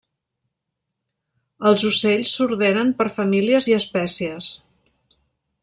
Els ocells s'ordenen per famílies i espècies.